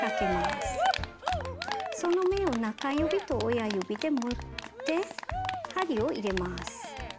その目を中指と親指で持って針を入れます。